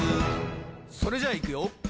それじゃいくよ